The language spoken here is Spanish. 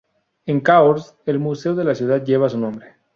En Cahors, el museo de la ciudad lleva su nombre.